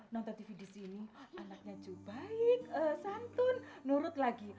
nonton tv disini anaknya juga baik santun nurut lagi